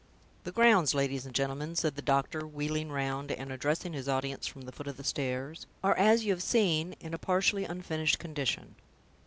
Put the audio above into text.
"The grounds, ladies and gentlemen," said the doctor, wheeling round, and addressing his audience from the foot of the stairs, "are, as you have seen, in a partially unfinished condition.